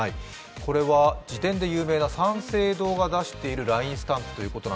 これは辞典で有名な三省堂が出しているＬＩＮＥスタンプです。